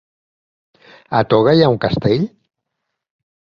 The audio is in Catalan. A Toga hi ha un castell?